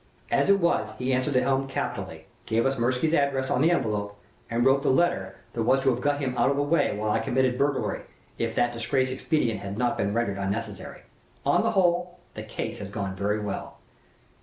"As it was he answered the helm capitally: gave us Mirsky's address on the envelope, and wrote the letter that was to have got him out of the way while I committed burglary, if that disgraceful expedient had not been rendered unnecessary. On the whole, the case has gone very well."